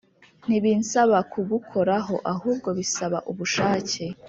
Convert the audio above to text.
ntibisaba kugukoraho ahubwo bisaba ubushake